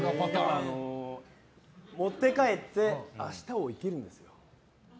持って帰って明日を生きるんです！